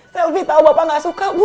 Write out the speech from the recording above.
selfie tau bapak gak suka bu